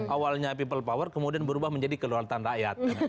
awalnya people power kemudian berubah menjadi kedaulatan rakyat